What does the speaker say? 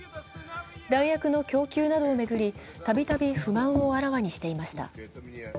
弾薬の供給などを巡り、たびたび不満をあらわにしていました。